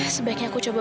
sebaiknya aku coba